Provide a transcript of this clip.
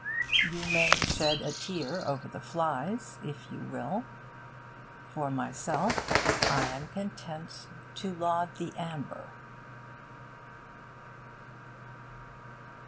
You may shed a tear over the flies, if you will. For myself, I am content to laud the amber.